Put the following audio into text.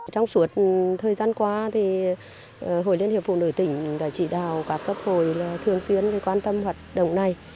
trong suốt thời gian qua thì hội liên hiệp phụ nữ tỉnh đã chỉ đào các cấp hội thường xuyên quan tâm hoạt động này